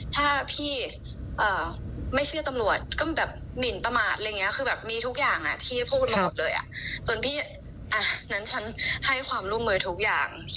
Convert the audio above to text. ที่แบบตอนนั้นก็คือพี่ก็ให้ความร่วมมือทุกอย่าง